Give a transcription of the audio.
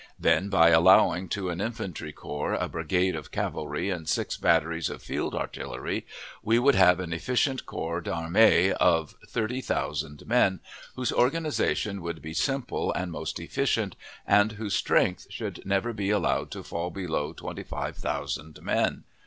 Then, by allowing to an infantry corps a brigade of cavalry and six batteries of field artillery, we would have an efficient corps d'armee of thirty thousand men, whose organization would be simple and most efficient, and whose strength should never be allowed to fall below twenty five thousand men.